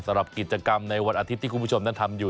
สำหรับกิจกรรมในวันอาทิตย์ที่คุณผู้ชมนั้นทำอยู่